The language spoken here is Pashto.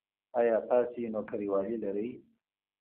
ایا تاسو نوکریوالي لرئ؟